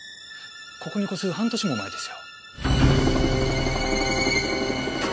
ここに越す半年も前ですよ。